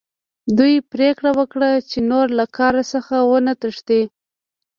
دوی پریکړه وکړه چې نور له کار څخه ونه تښتي